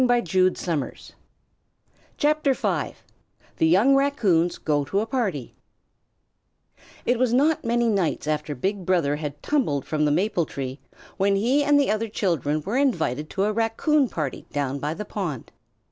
THE YOUNG RACCOONS GO TO A PARTY It was not very many nights after Big Brother had tumbled from the maple tree, when he and the other children were invited to a Raccoon party down by the pond.